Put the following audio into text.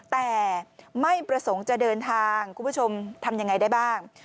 แต่ไม่ประสงค์จะเดินทางคุณผู้ชมทำยังไงได้บ้าง